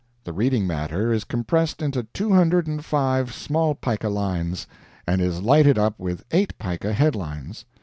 The reading matter is compressed into two hundred and five small pica lines, and is lighted up with eight pica headlines.